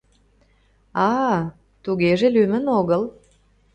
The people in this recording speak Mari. — А-аТугеже лӱмын огыл!